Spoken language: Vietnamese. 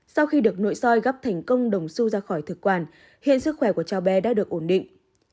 sau khi được nội soi gấp thành công đồng su ra khỏi thực quản hiện sức khỏe của cháu bé đã được ổn định